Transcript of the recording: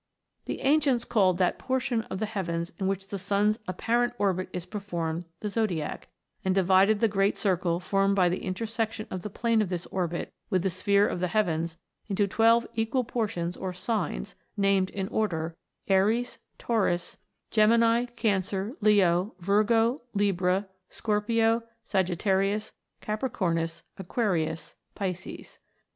The ancients called that portion of the heavens in which the sun's apparent orbit is performed the zodiac, and divided the great circle formed by the intersection of the plane of this orbit with the sphere of the heavens into twelve equal portions or signs, named in order Aries, Taurus, Gemini, Cancer, Leo, Virgo, Libra, Scorpio, Sagitta rius, Capricornus, Aquarius, Pisces.